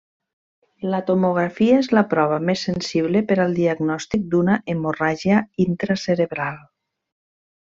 La tomografia és la prova més sensible per al diagnòstic d'una hemorràgia intracerebral.